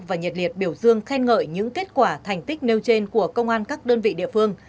và nhiệt liệt biểu dương khen ngợi những kết quả thành tích nêu trên của công an các đơn vị địa phương